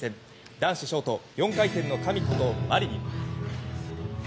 男子ショート４回転の神ことマリニン。